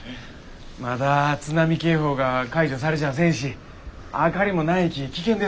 まだ津波警報が解除されちゃせんし明かりもないき危険です。